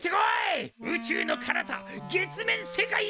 宇宙のかなた月面世界へ！